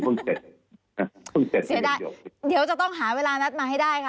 ผมพึ่งเซ็ทสินะเห็นแต่ใช่เดี๋ยวจะต้องหาเวลานัตรมาให้ได้ค่ะ